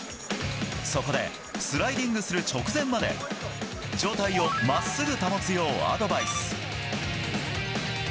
そこでスライディングする直前まで上体を真っすぐ保つようアドバイス。